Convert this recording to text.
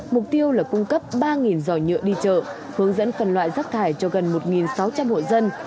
mục tiêu là cung cấp ba giò nhựa đi chợ hướng dẫn phần loại rắc thải cho gần một sáu trăm linh hội dân